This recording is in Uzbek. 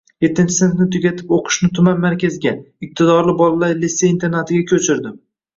Yettinchi sinfni tugatib oʻqishni tuman markaziga – iqtidorli bolalar litsey-internatiga koʻchirdim…